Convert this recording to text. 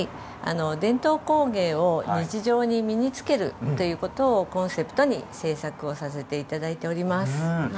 伝統工芸品を日常に身に着けるということをコンセプトに制作をさせていただいております。